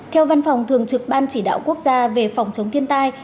theo văn phòng thường trực ban chỉ đạo quốc gia về phòng chống thiên tai